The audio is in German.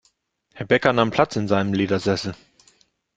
Herr Bäcker nahm Platz in seinem Ledersessel.